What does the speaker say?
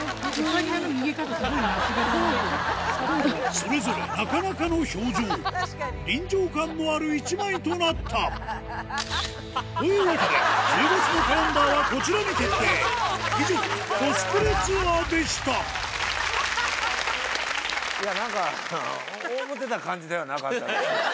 それぞれなかなかの表情臨場感のある１枚となったというわけで１０月のカレンダーはこちらに決定以上コスプレツアーでしたいやなんか思ってた感じではなかった。